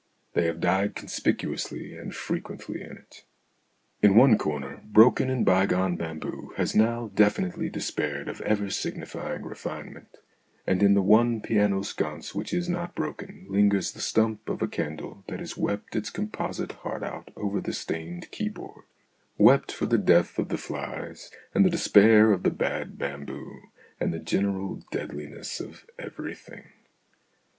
They have died conspicuously and frequently in it. In one corner broken and bygone bamboo has now definitely despaired of ever signifying refinement ; and in the one piano sconce which is not broken lingers the stump of a candle that has wept its composite heart out over the stained keyboard wept for the death of the flies, and the despair of the bad bamboo, and the general deadliness of everything.